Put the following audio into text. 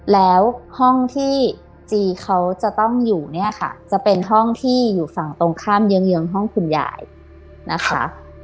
แล้วห้องที่จีเขาจะต้องอยู่เนี่ยค่ะจะเป็นห้องที่อยู่ฝั่งตรงข้ามเยื้องห้องคุณยายนะคะ